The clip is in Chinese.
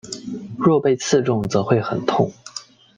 若被刺中则会很痛。